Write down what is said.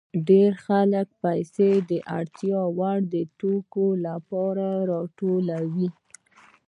ډېر خلک پیسې د اړتیا وړ توکو لپاره راټولوي